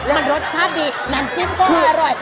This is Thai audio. มันรสชาติดีน้ำจิ้มก็มีอร่อย